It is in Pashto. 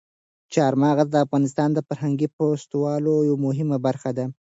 چار مغز د افغانستان د فرهنګي فستیوالونو یوه مهمه برخه ده.